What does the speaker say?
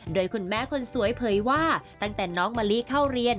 โดยคุณแม่คนสวยเผยว่าตั้งแต่น้องมะลิเข้าเรียน